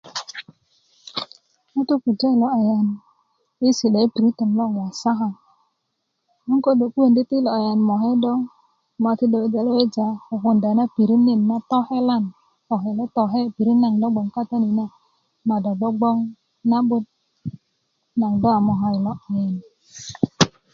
ŋutu pujö i lo ayan i si'da i pirit loŋ wasaka 'boŋ kodo 'buön di ti ilo ayan moke do ti do wejae weja tetenda na pirit net na tokelan tokele' toke' pirit naŋ do bgoŋ kata ni na ma do bgoŋ bgoŋ na'but do a moka ilo ayan